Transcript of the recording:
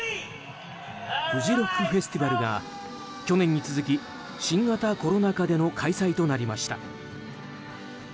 フジロックフェスティバルが去年に続き新型コロナ禍での開催となりました。